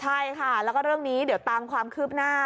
ใช่ค่ะแล้วก็เรื่องนี้เดี๋ยวตามความคืบหน้า